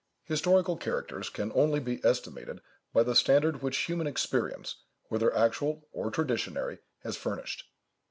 Historical characters can only be estimated by the standard which human experience, whether actual or traditionary, has furnished.